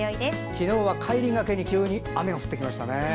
昨日は帰りがけに急に雨が降ってきましたね。